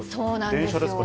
電車ですか？